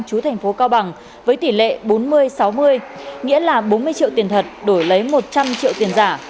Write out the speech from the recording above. chú thành phố cao bằng với tỷ lệ bốn mươi sáu mươi nghĩa là bốn mươi triệu tiền thật đổi lấy một trăm linh triệu tiền giả